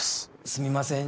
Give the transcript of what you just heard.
すみません。